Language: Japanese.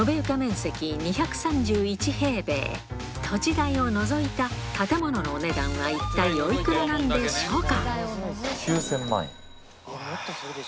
土地代を除いた建物のお値段は一体お幾らなんでしょうか？